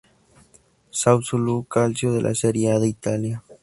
Sassuolo Calcio de la Serie A de Italia.